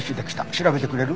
調べてくれる？